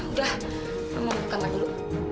udah mama buka kamar dulu